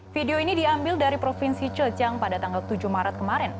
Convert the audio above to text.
video ini diambil dari provinsi cejang pada tanggal tujuh maret kemarin